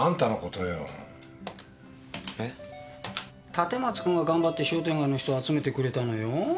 立松君が頑張って商店街の人集めてくれたのよ。